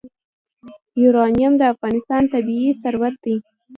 یورانیم د افغانستان طبعي ثروت دی.